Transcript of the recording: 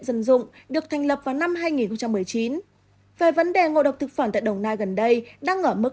dân dụng được thành lập vào năm hai nghìn một mươi chín về vấn đề ngộ độc thực phẩm tại đồng nai gần đây đang ở mức